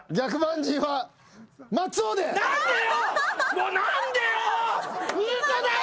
もう何でよ！